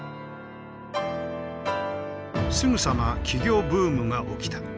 すぐさま起業ブームが起きた。